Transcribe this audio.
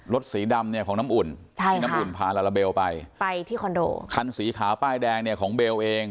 สีดำเนี่ยของน้ำอุ่นใช่น้ำอุ่นพาลาลาเบลไปไปที่คอนโดคันสีขาวป้ายแดงเนี่ยของเบลเอง